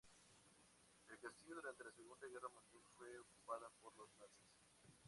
El castillo durante la Segunda Guerra Mundial fue ocupada por los Nazis.